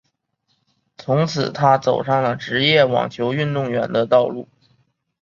从此她走上了职业网球运动员的道路。